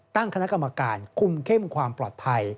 ตั้งคณะกรรมการคุมเข้มความปลอดภัย